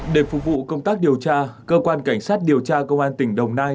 để phục vụ công tác điều tra cơ quan cảnh sát điều tra công an tỉnh đồng nai